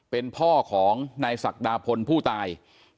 เป็นพ่อของนายศักดาพลผู้ตาย